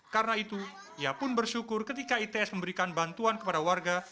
karena itu ia pun bersyukur ketika its memberikan bantuan kepada warga